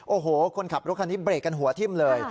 โอ้โหคนขับรถคันนี้เบรกกันหัวทิ่มเลย